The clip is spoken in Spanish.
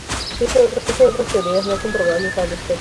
Existen otras teorías no comprobables al respecto.